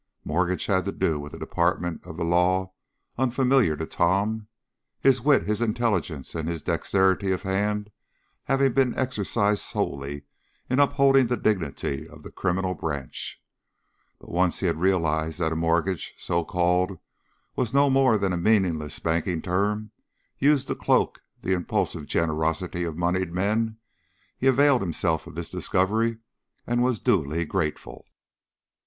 Mortgages had to do with a department of the law unfamiliar to Tom, his wit, his intelligence, and his dexterity of hand having been exercised solely in upholding the dignity of the criminal branch, but once he had realized that a mortgage, so called, was no more than a meaningless banking term used to cloak the impulsive generosity of moneyed men, he availed himself of this discovery and was duly grateful.